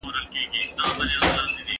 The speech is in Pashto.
روښانه فکر غوسه نه راوړي.